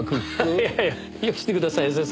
いやいやよしてくださいよ先生。